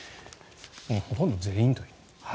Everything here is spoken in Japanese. ほとんど全員という。